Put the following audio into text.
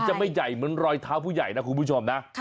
จะไม่ใหญ่เหมือนรอยเท้าผู้ใหญ่นะคุณผู้ชมนะ